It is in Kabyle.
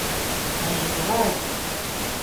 Ɛejbeɣ-as.